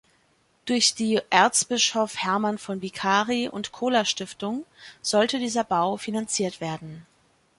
Durch die Erzbischof-Hermann von Vicari- und Kohler Stiftung sollte dieser Bau finanziert werden.